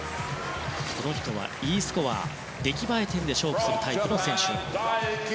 この人はＥスコア出来栄え点で勝負するタイプ。